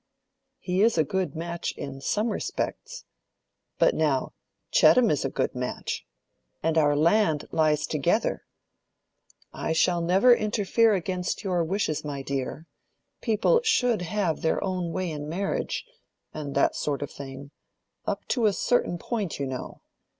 He is a good match in some respects. But now, Chettam is a good match. And our land lies together. I shall never interfere against your wishes, my dear. People should have their own way in marriage, and that sort of thing—up to a certain point, you know.